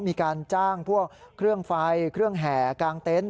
มีการจ้างพวกเครื่องไฟเครื่องแห่กลางเต็นต์